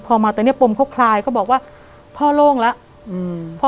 พอมาตอนเนี้ยปมเขาคลายก็บอกว่าพ่อโล่งแล้วอืม